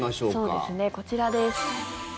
そうですね、こちらです。